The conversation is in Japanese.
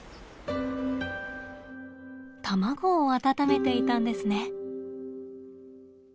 卵を温めていたんですね。